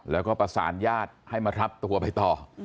แล้วก็ประสานญาติให้มารับตัวไปต่อ